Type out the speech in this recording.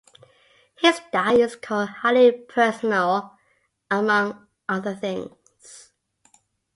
His style is called "highly personal" among other things.